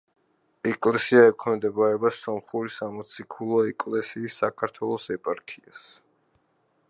ეკლესია ექვემდებარება სომხური სამოციქულო ეკლესიის საქართველოს ეპარქიას.